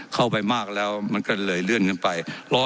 เข้าไปมากแล้วมันก็เลยเลื่อนไป